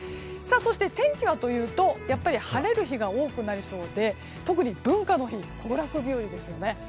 そして、天気はというとやはり晴れる日が多くなりそうで特に文化の日行楽日和ですよね。